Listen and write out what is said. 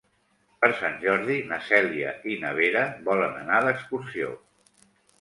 Per Sant Jordi na Cèlia i na Vera volen anar d'excursió.